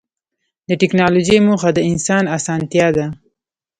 د ټکنالوجۍ موخه د انسان اسانتیا ده.